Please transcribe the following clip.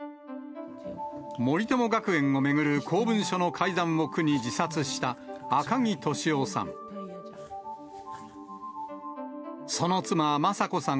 森友学園を巡る公文書の改ざんを苦に自殺した赤木俊夫さん。